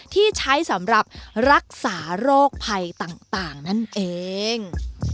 ที่ใช้สำหรับรักษาโรคภัยต่างนั่นเอง